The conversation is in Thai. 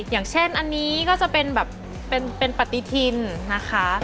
อย่างเช่นอันนี้ก็จะเป็นแบบเป็นปฏิทินนะคะ